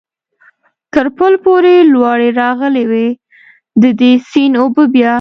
تر پل پورې لوړې راغلې وې، د دې سیند اوبه بیا.